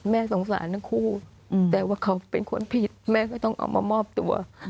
สงสารทั้งคู่แต่ว่าเขาเป็นคนผิดแม่ก็ต้องเอามามอบตัว